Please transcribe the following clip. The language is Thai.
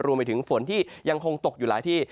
รวมไปถึงฝนที่ยังคงตกอยู่หลายที่